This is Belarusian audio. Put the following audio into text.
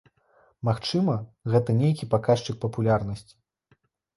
Магчыма, гэта нейкі паказчык папулярнасці.